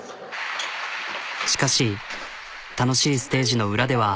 しかし楽しいステージの裏では。